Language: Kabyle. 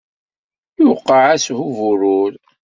Yuqeɛ-as uburur.